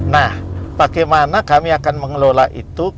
nah bagaimana kami akan mengelola itu